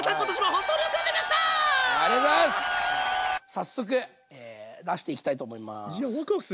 早速出していきたいと思います。